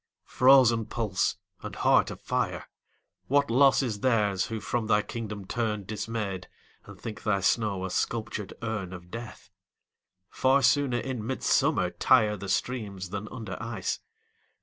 frozen pulse and heart of fire, What loss is theirs who from thy kingdom turn Dismayed, and think thy snow a sculptured urn Of death! Far sooner in midsummer tire The streams than under ice.